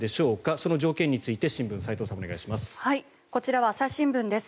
その条件について新聞を斎藤さんお願いします。